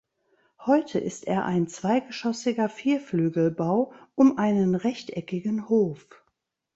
Heute ist er ein zweigeschoßiger Vierflügelbau um einen rechteckigen Hof.